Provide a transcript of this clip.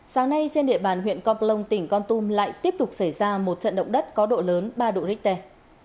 sáng nay trên địa bàn huyện con plong tỉnh con tum lại tiếp tục xảy ra một trận động đất có độ lớn ba độ richter